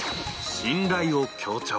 信頼を強調。